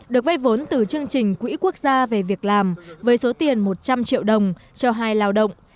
được vay vốn từ chương trình quỹ quốc gia về việc làm với số tiền một trăm linh triệu đồng cho hai lao động